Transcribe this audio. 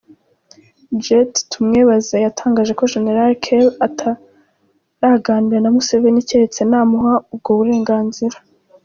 Jet Tumwebaze yatangaje ko Gen Kale ataraganira na Museveni keretse namuha ubwo burenganzira.